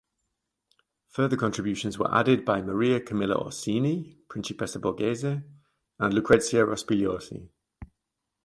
Further contributions were added by Maria Camilla Orsini (Principessa Borghese) and Lucrezia Rospigliosi.